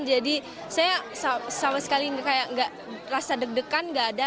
jadi saya sama sekali rasa deg degan gak ada